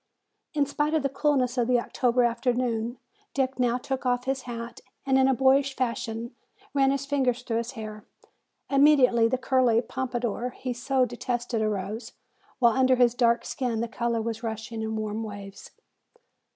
In spite of the coolness of the October afternoon Dick now took off his hat and in a boyish fashion ran his fingers through his hair. Immediately the curly pompadour he so detested arose, while under his dark skin the color was rushing in warm waves.